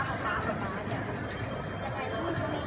มันเป็นสิ่งที่จะให้ทุกคนรู้สึกว่า